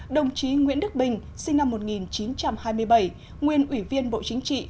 đồng chí nguyễn đức bình sinh năm một nghìn chín trăm hai mươi bảy nguyên ủy viên bộ chính trị